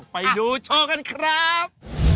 ไปดูโชว์กันครับ